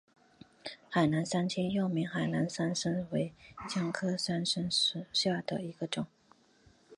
海南三七又名海南山柰为姜科山柰属下的一个种。